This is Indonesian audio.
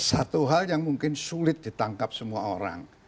satu hal yang mungkin sulit ditangkap semua orang